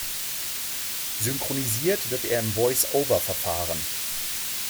Synchronisiert wird er im Voice-over-Verfahren.